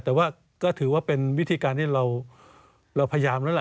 แต่ว่าก็ถือว่าเป็นวิธีการที่เราพยายามแล้วล่ะ